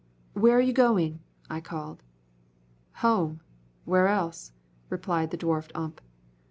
"Where are you going?" I called. "Home. Where else?" replied the dwarfed Ump.